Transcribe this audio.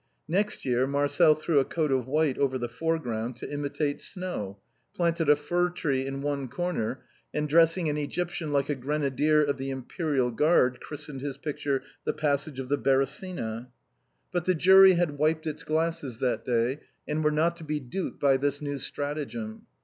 Next year, Marcel threw a coat of white over the foreground, to imitate snow, planted a fir tree in one corner, and dressing an Egyptian like a grenadier of the Imperial Guard, christened his picture " The Passage of the Beresina." But the jury had wiped its glasses that day, and were not to be duped by this new stratagem.